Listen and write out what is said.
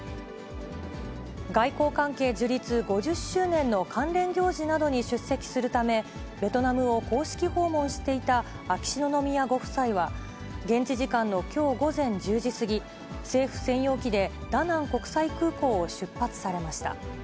外交関係樹立５０周年の関連行事などに出席するため、ベトナムを公式訪問していた秋篠宮ご夫妻は、現地時間のきょう午前１０時過ぎ、政府専用機でダナン国際空港を出発されました。